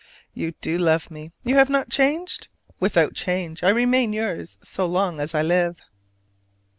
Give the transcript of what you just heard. You do love me: you have not changed? Without change I remain yours so long as I live.